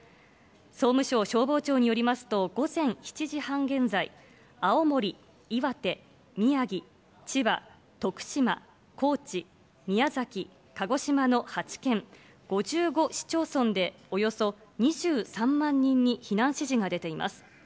総務省消防庁によりますと、午前７時半現在、青森、岩手、宮城、千葉、徳島、高知、宮崎、鹿児島の８県、５５市町村でおよそ２３万人に避難指示が出ています。